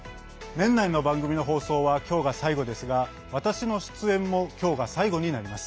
年内の番組の放送は今日が最後ですが私の出演も今日が最後になります。